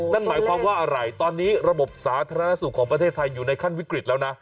นั่นหมายความว่าอะไรตอนนี้ระบบสาธารณสุขของประเทศไทยอยู่ในขั้นวิกฤตแล้วนะ